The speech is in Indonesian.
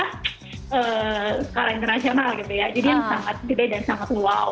skala internasional gitu ya jadi yang sangat gede dan sangat wow